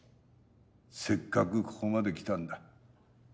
せっかくここまで来たんだ。